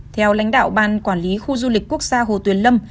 theo lãnh đạo ban quản lý khu du lịch quốc gia hồ tuyền lâm